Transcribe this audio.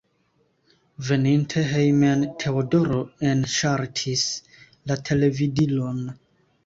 Veninte hejmen, Teodoro enŝaltis la televidilon.